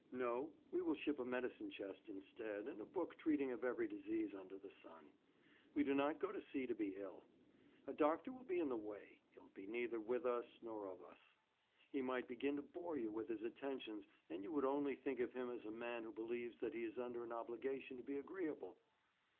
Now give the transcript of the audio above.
No; we will ship a medicine chest instead, and a book treating of every disease under the sun. We do not go to sea to be ill. A doctor will be in the way. He will be neither with us nor of us. He might begin to bore you with his attentions, and you would only think of him as a man who believes that he is under an obligation to be agreeable.'